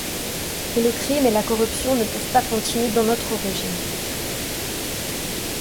Mais le crime et la corruption ne peuvent pas continuer dans notre régime.